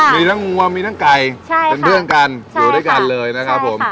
มีทั้งงัวมีทั้งไก่เป็นเพื่อนกันอยู่ด้วยกันเลยนะครับผม